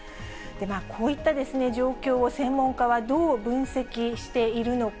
こういった状況を専門家はどう分析しているのか。